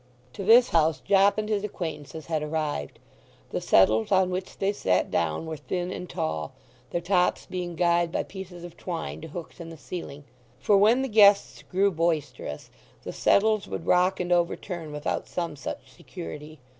To this house Jopp and his acquaintances had arrived. The settles on which they sat down were thin and tall, their tops being guyed by pieces of twine to hooks in the ceiling; for when the guests grew boisterous the settles would rock and overturn without some such security.